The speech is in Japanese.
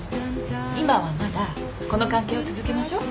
今はまだこの関係を続けましょ。